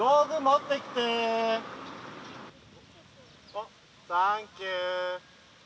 おっサンキュー。